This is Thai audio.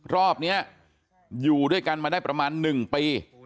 รอบนี้อยู่ด้วยกันมาได้ประมาณ๑ปี